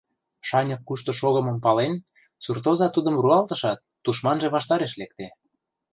Шаньык кушто шогымым пален, суртоза тудым руалтышат, тушманже ваштареш лекте.